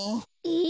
え？